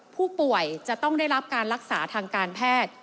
ผู้ป่วยจะต้องได้รับการรักษาทางการแพทย์